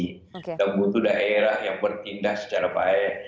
kita butuh daerah yang bertindak secara baik